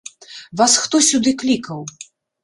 Вас хто сюды клікаў?